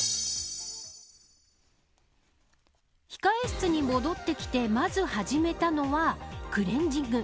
控え室に戻ってきてまず始めたのはクレンジング。